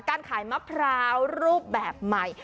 การขายมะพร้าวรูปแบบใหม่